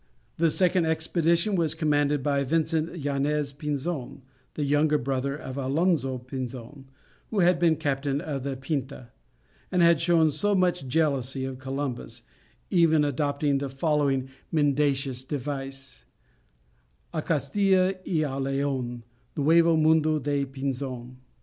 The second expedition was commanded by Vincent Yañez Pinzon, the younger brother of Alonzo Pinzon who had been captain of the Pinta and had shown so much jealousy of Columbus, even adopting the following mendacious device: A Castilla, y a Leon Nuevo Mundo dio Pinzon.